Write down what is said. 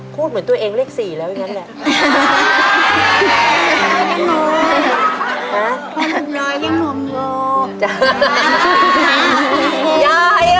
พูดเหมือนตัวเองเลข๔แล้วอย่างนั้นแหละ